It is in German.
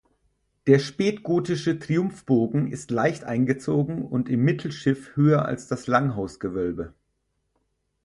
Der spätgotische Triumphbogen ist leicht eingezogen und im Mittelschiff höher als das Langhausgewölbe.